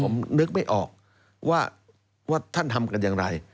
ผมนึกไม่ออกว่าท่านทำกันอย่างไร